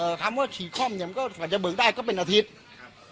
คำว่าฉี่ค่อมเนี้ยมันก็กว่าจะเบิกได้ก็เป็นอาทิตย์ครับ